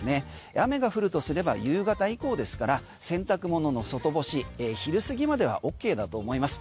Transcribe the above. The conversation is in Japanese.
雨が降るとすれば夕方以降ですから洗濯物の外干し昼過ぎまではＯＫだと思います。